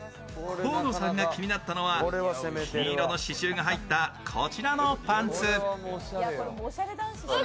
河野さんが気になったのは金色の刺繍が入ったこちらのパンツ。